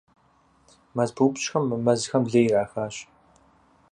МэзпыупщӀхэм мы мэзхэм лей ирахащ.